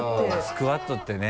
スクワットってね。